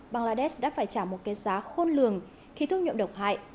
bangladesh đã phải trả một kết giá khôn lường khi thuốc nhuộm độc hại